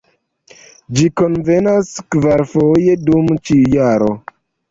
Ĝi kunvenas kvarfoje dum ĉiu jaro.